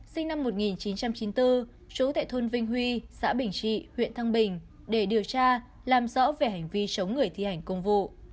sinh năm một nghìn chín trăm chín mươi bốn trú tại thôn vinh huy xã bình trị huyện thăng bình để điều tra làm rõ về hành vi chống người thi hành công vụ